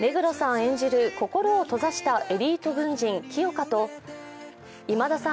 演じる心を閉ざしたエリート軍人・清霞と今田さん